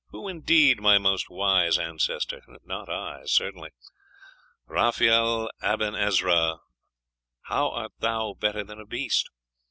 Who, indeed, my most wise ancestor? Not I, certainly. Raphael Aben Ezra, how art thou better than a beast?